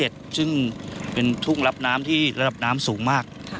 ซึ่งเป็นทุ่งรับน้ำที่ระดับน้ำสูงมาก